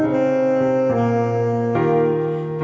ขอบคุณครับ